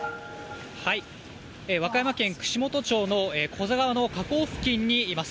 和歌山県串本町の川の河口付近にいます。